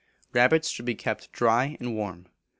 Rabbits should be kept dry and warm.